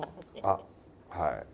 あっはい。